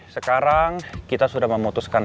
sekarang kita sudah memutuskan